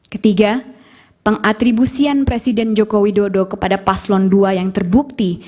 ketiga pengatribusian presiden joko widodo kepada paslon dua yang terbukti